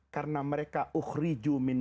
karena mereka diusir dari tersebut